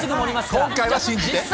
今度は信じて。